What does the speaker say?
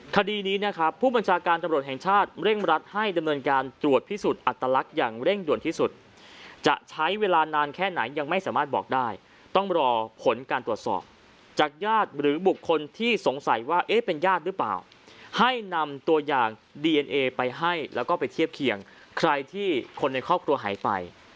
คดีนี้นะครับผู้บัญชาการตำรวจแห่งชาติเร่งรัดให้ดำเนินการตรวจพิสูจน์อัตลักษณ์อย่างเร่งด่วนที่สุดจะใช้เวลานานแค่ไหนยังไม่สามารถบอกได้ต้องรอผลการตรวจสอบจากญาติหรือบุคคลที่สงสัยว่าเอ๊ะเป็นญาติหรือเปล่าให้นำตัวอย่างดีเอนเอไปให้แล้วก็ไปเทียบเคียงใครที่คนในครอบครัวหายไป